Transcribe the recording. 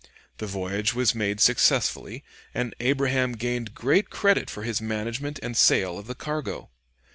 The voyage was made successfully, and Abraham gained great credit for his management and sale of the cargo.